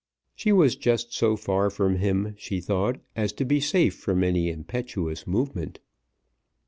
She was just so far from him, she thought, as to be safe from any impetuous movement.